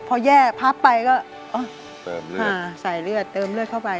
พอแย่พับไปก็เติมเลือดใส่เลือดเติมเลือดเข้าไป